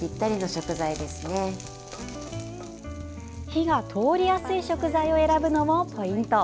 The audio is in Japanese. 火が通りやすい食材を選ぶのもポイント。